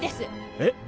えっ？